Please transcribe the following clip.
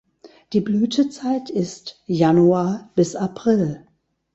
Die Blütezeit ist Januar bis April.